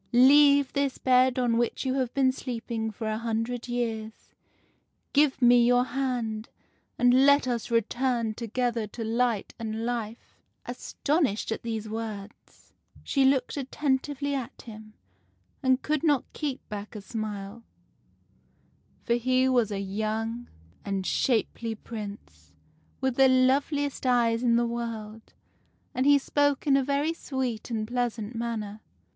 Leave this bed on which you have been sleeping for a hundred years, give me your hand, and let us return together to light and life.' " Astonished at these words, she looked attentively at him, and could not keep back a smile ; for he was a young and i8 THE FAIRY SPINNING WHEEL shapely Prince, with the loveliest eyes in the world, and he spoke in a very sweet and pleasant manner.